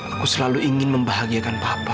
aku selalu ingin membahagiakan papa aida